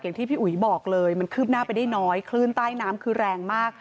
ที่พี่อุ๋ยบอกเลยมันคืบหน้าไปได้น้อยคลื่นใต้น้ำคือแรงมาก